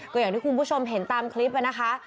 ก็อย่างที่คุณผู้ชมเห็นตามคลิปนะคะ